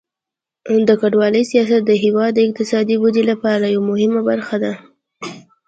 د کډوالۍ سیاست د هیواد د اقتصادي ودې لپاره یوه مهمه برخه ده.